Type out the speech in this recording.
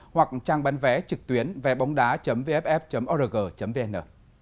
hoặc trang bán vé trực tuyến www vff org vn